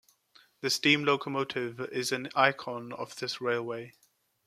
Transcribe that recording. The steam locomotive is an icon of this Railway.